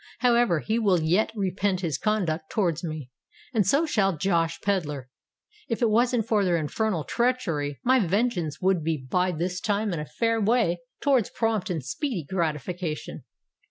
However, he will yet repent his conduct towards me—and so shall Josh Pedler. If it wasn't for their infernal treachery, my vengeance would be by this time in a fair way towards prompt and speedy gratification.